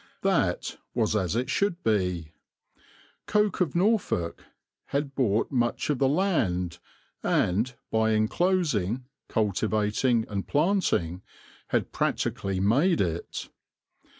That was as it should be. Coke of Norfolk had bought much of the land and, by enclosing, cultivating and planting, had practically made it.